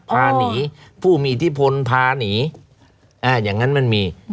พาหนีพูดมีที่พนท์พาหนี